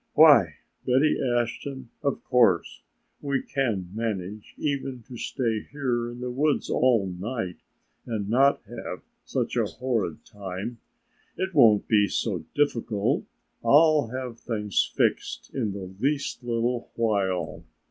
"Why, Betty Ashton, of course we can manage even to stay here in the woods all night and not have such a horrid time! It won't be so difficult, I'll have things fixed in the least little while."